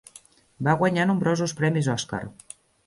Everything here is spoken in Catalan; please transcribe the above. Va guanyar nombrosos premis Oscar.